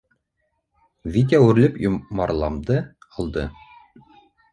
Витя үрелеп йомарламды алды.